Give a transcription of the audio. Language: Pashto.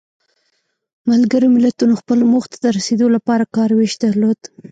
ملګرو ملتونو خپلو موخو ته د رسیدو لپاره کار ویش درلود.